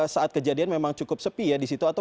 saat kejadian memang cukup sepi ya di situ